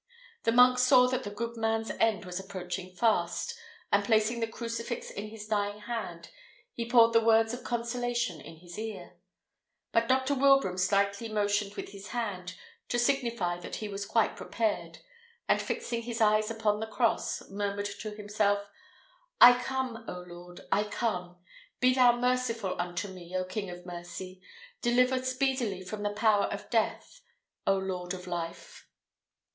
The monk saw that the good man's end was approaching fast, and placing the crucifix in his dying hand, he poured the words of consolation in his ear; but Dr. Wilbraham slightly motioned with his hand, to signify that he was quite prepared, and fixing his eyes upon the cross, murmured to himself, "I come, O Lord, I come! Be thou merciful unto me, O King of mercy! Deliver speedily from the power of death, O Lord of life!"